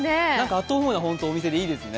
アットホームなお店でいいですね。